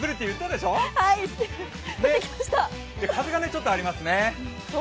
で、風がちょっとありますね。